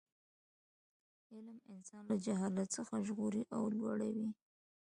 علم انسان له جهالت څخه ژغوري او لوړوي.